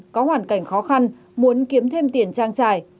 có hoàn cảnh khó khăn muốn kiếm thêm tiền trang trải